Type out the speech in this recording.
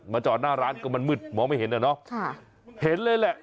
จอดหน้าร้านก็มันมืดมองไม่เห็นอ่ะเนาะเห็นเลยแหละ